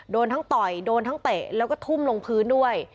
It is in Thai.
โดนทั้งต่อยโดนทั้งเตะแล้วก็ทุ่มลงพื้นด้วย